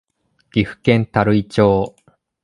岐阜県垂井町